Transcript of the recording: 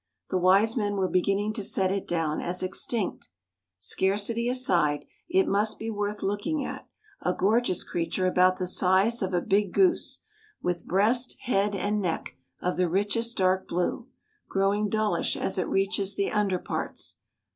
The wise men were beginning to set it down as extinct. Scarcity aside, it must be worth looking at a gorgeous creature about the size of a big goose, with breast, head, and neck of the richest dark blue, growing dullish as it reaches the under parts.